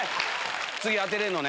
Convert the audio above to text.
次当てれるのね？